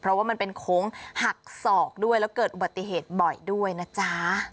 เพราะว่ามันเป็นโค้งหักศอกด้วยแล้วเกิดอุบัติเหตุบ่อยด้วยนะจ๊ะ